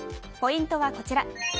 ポイントはこちら。